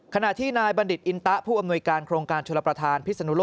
ขณะที่นายบัณฑิตอินตะผู้อำนวยการโครงการชลประธานพิศนุโล